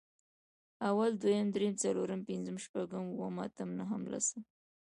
اول، دويم، درېيم، څلورم، پنځم، شپږم، اووم، اتم، نهم، لسم